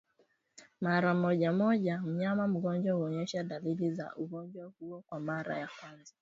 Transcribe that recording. Mara moja moja mnyama mgonjwa huonyesha dalili za ugonjwa huo kwa mara ya kwanza